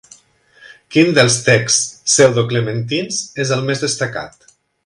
Quin dels texts pseudoclementins és el més destacat?